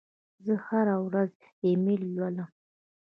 زه هره ورځ ایمیل لولم.